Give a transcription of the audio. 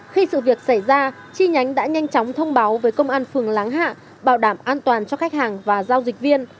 khi sự việc xảy ra chi nhánh đã nhanh chóng thông báo với công an phường láng hạ bảo đảm an toàn cho khách hàng và giao dịch viên